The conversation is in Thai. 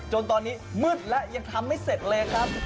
จนตอนนี้มืดแล้วยังทำไม่เสร็จเลยครับ